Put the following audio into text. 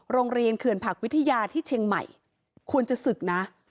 เขื่อนผักวิทยาที่เชียงใหม่ควรจะศึกนะ